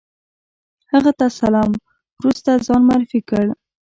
هغه تر سلام وروسته ځان معرفي کړ.